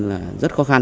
là rất khó khăn